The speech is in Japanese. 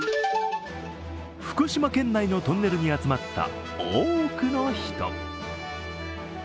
福島県内のトンネルに集まった多くの人。